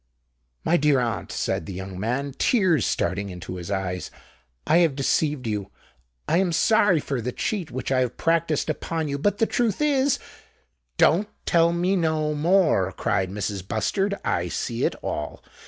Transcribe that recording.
"My dear aunt," said the young man, tears starting into his eyes, "I have deceived you! I am sorry for the cheat which I have practised upon you: but the truth is——" "Don't tell me no more!" cried Mrs. Bustard. "I see it all.